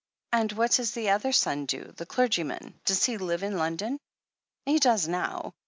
"And what does the other son do — ^the clergyman? Does he live in London ?" "He does now.